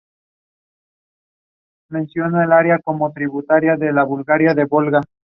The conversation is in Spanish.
Estos problemas mal definidos no son usualmente satisfactorios para las aplicaciones físicas.